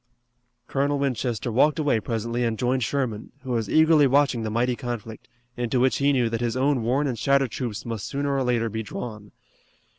Colonel Winchester walked away presently and joined Sherman, who was eagerly watching the mighty conflict, into which he knew that his own worn and shattered troops must sooner or later be drawn.